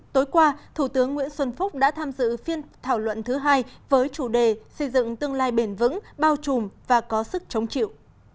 tối qua thủ tướng nguyễn xuân phúc đã tham dự phiên thảo luận thứ hai với chủ đề xây dựng tương lai bền vững bao trùm và có sức chống chịu